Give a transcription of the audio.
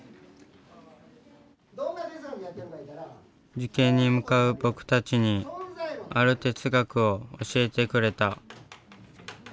受験に向かう僕たちにある哲学を教えてくれた。